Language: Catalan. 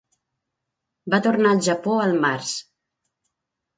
Va tornar al Japó al març.